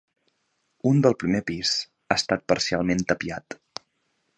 Un del primer pis ha estat parcialment tapiat.